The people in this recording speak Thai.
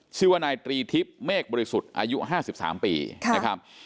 ชื่อว่านายตรีทิพย์เมฆบริสุทธิ์อายุ๕๓ปีนะครับ